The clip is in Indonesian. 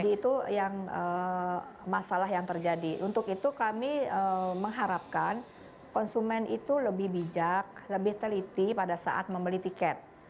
jadi itu yang masalah yang terjadi untuk itu kami mengharapkan konsumen itu lebih bijak lebih teliti pada saat membeli tiket